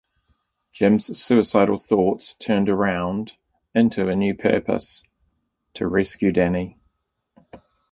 Jim's suicidal thoughts turn around into a new purpose - to rescue Danny.